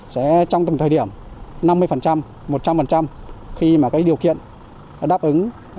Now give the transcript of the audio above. sẽ trong từng thời điểm năm mươi một trăm linh khi điều kiện đáp ứng